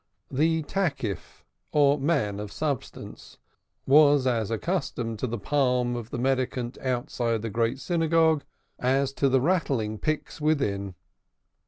The Takif, or man of substance, was as accustomed to the palm of the mendicant outside the Great Synagogue as to the rattling pyx within.